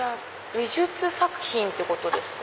美術作品ってことですか？